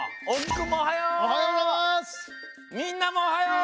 おはよう！